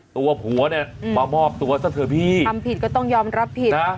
ตัวผัวเนี่ยมามอบตัวซะเถอะพี่ทำผิดก็ต้องยอมรับผิดนะ